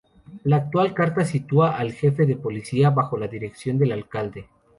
La actual Carta sitúa el Jefe de Policía bajo la dirección del Alcalde.